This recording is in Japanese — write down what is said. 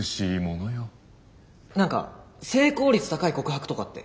何か成功率高い告白とかって？